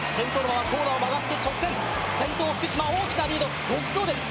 コーナーを曲がって直線先頭福島大きなリード独走です